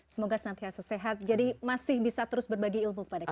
semoga senantiasa sehat jadi masih bisa terus berbagi ilmu kepada kita